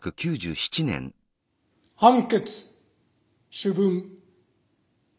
判決主文。